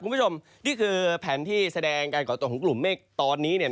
คุณผู้ชมนี่คือแผนที่แสดงการก่อตัวของกลุ่มเมฆตอนนี้